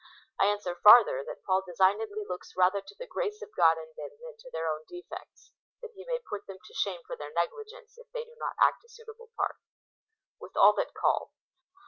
I answer farther, that Paul designedly looks rather to the grace of God in them than to their own defects, that he may jjut them to shame for their negligence, if they do not act a suitable jDart./' With all that call.